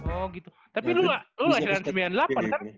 oh gitu tapi lu lah lu lah hasil sembilan puluh delapan kan